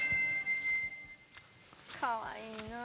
かわいいな。